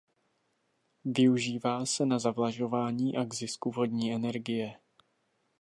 Využívá se na zavlažování a k zisku vodní energie.